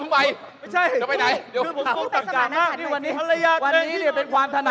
ภรรยาตัวเองไม่ได้ประชาชน